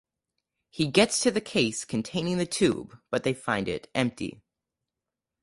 He gets to the case containing the tube but they find it empty.